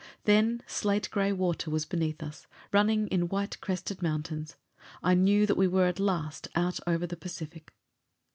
Then slate gray water was beneath us, running in white crested mountains. I knew that we were at last out over the Pacific.